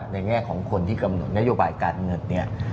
ในแง่ของคนที่กำหนดนโยบายการเงิน